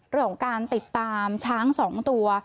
เรื่องของการติดตามช้าง๒ตัว